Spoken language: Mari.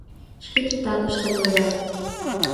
Шке титакыштым ойлат.